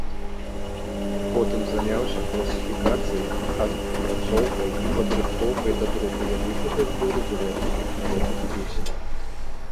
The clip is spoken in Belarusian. Потым заняўся класіфікацыяй, апрацоўкай і падрыхтоўкай да друку вялікага збору беларускіх народных песень.